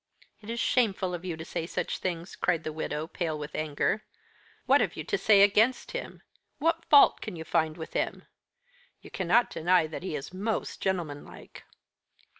"It is shameful of you to say such things," cried the widow, pale with anger. "What have you to say against him? What fault can you find with him? You cannot deny that he is most gentlemanlike."